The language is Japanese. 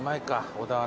小田原